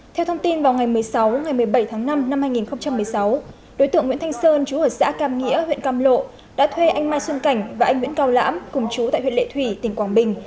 theo thông tin vào ngày một mươi sáu ngày một mươi bảy tháng năm năm hai nghìn một mươi sáu đối tượng nguyễn thanh sơn chú ở xã cam nghĩa huyện cam lộ đã thuê anh mai xuân cảnh và anh nguyễn cao lãm cùng chú tại huyện lệ thủy tỉnh quảng bình